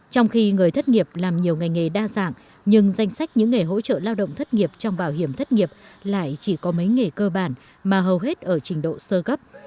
trong khi người thất nghiệp làm nhiều ngành nghề đa dạng nhưng danh sách những nghề hỗ trợ lao động thất nghiệp trong bảo hiểm thất nghiệp lại chỉ có mấy nghề cơ bản mà hầu hết ở trình độ sơ gấp